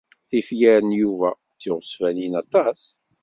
Tifyar n Yuba d tiɣezfanin aṭas.